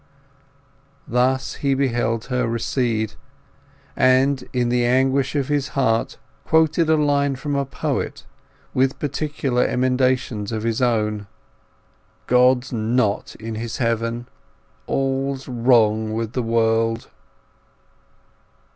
Thus he beheld her recede, and in the anguish of his heart quoted a line from a poet, with peculiar emendations of his own— God's not in his heaven: All's wrong with the world!